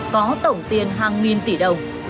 có tổng tiền hàng nghìn tỷ đồng